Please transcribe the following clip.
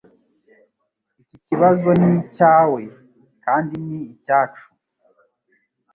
Iki kibazo ni icyawe kandi ni icyacu.